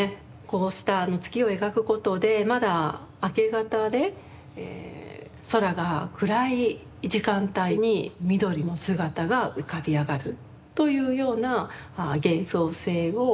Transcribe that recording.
こうした月を描くことでまだ明け方で空が暗い時間帯に美登利の姿が浮かび上がるというような幻想性を強調しているわけですね。